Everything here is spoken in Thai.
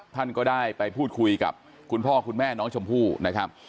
ท่านก็ได้ไปพูดคุยกับคุณพ่อคุณแม่น้องชมพู่นะครับ